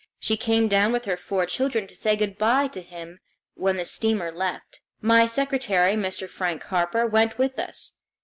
She came down with her four children to say good by to him when the steamer left. My secretary, Mr. Frank Harper, went with us.